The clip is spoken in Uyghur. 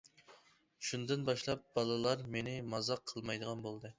شۇندىن باشلاپ بالىلار مېنى مازاق قىلمايدىغان بولدى.